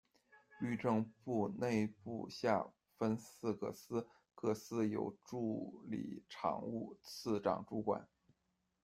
律政部内部下分四个司，各司由助理常务次长主管。